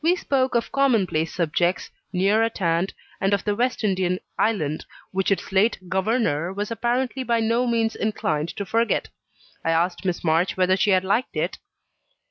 We spoke of commonplace subjects, near at hand, and of the West Indian island, which its late "governor" was apparently by no means inclined to forget. I asked Miss March whether she had liked it?